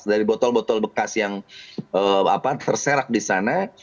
dari botol botol bekas yang terserak di sana